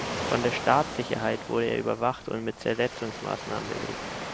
Von der Staatssicherheit wurde er überwacht und mit Zersetzungsmaßnahmen belegt.